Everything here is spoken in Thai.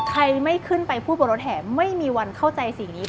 ใครไม่ขึ้นไปพูดบนรถแห่ไม่มีวันเข้าใจสิ่งนี้